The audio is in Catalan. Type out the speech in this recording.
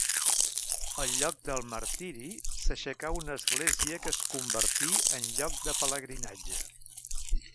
Al lloc del martiri s'aixecà una església que es convertí en lloc de pelegrinatge.